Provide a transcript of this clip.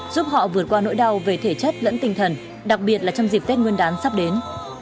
giúp họ vượt qua nỗi đau về thể chất lẫn tinh thần đặc biệt là trong dịp tết nguyên đán sắp đến